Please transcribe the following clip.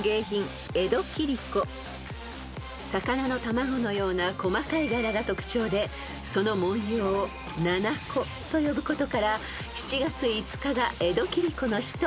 ［魚の卵のような細かい柄が特徴でその文様を魚子と呼ぶことから７月５日が江戸切子の日と制定されました］